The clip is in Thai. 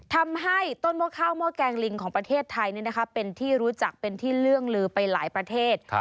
ทำให้ต้นหม้อข้าวหม้อแกงลิงของประเทศไทยเป็นที่รู้จักเป็นที่เลื่องลือไปหลายประเทศ